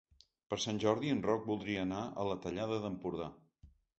Per Sant Jordi en Roc voldria anar a la Tallada d'Empordà.